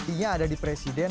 ia ada di presiden